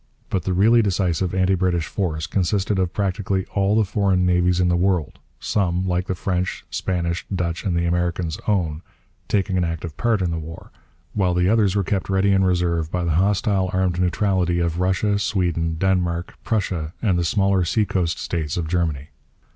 But the really decisive anti British force consisted of practically all the foreign navies in the world, some like the French, Spanish, Dutch, and the Americans' own taking an active part in the war, while the others were kept ready in reserve by the hostile armed neutrality of Russia, Sweden, Denmark, Prussia, and the smaller sea coast states of Germany.